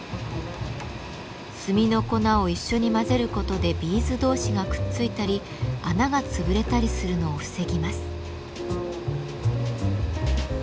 炭の粉を一緒に混ぜることでビーズ同士がくっついたり穴が潰れたりするのを防ぎます。